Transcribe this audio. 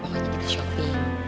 mama juga di shopee